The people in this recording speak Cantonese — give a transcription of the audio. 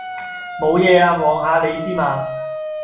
無野呀！望下你之嘛。